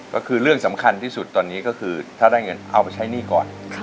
ก็คือเรื่องสำคัญที่สุดตอนนี้ก็คือถ้าได้เงินเอาไปใช้หนี้ก่อน